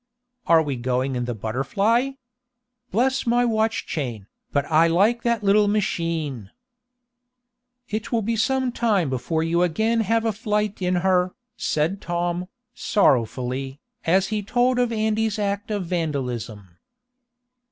"Are we going in the BUTTERFLY? Bless my watch chain, but I like that little machine!" "It will be some time before you again have a flight in her," said Tom, sorrowfully, as he told of Andy's act of vandalism.